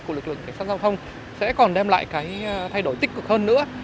của lực lượng cảnh sát giao thông sẽ còn đem lại cái thay đổi tích cực hơn nữa